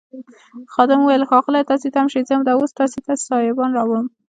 خادم وویل ښاغلیه تاسي تم شئ زه همدا اوس تاسي ته سایبان راوړم.